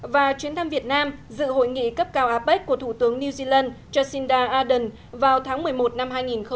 và chuyến thăm việt nam dự hội nghị cấp cao apec của thủ tướng new zealand jacinda ardern vào tháng một mươi một năm hai nghìn một mươi chín